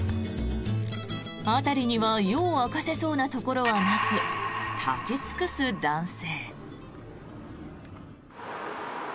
辺りには夜を明かせそうなところはなく立ち尽くす男性。